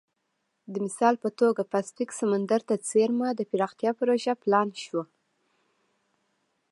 د مثال په توګه پاسفیک سمندر ته څېرمه د پراختیا پروژه پلان شوه.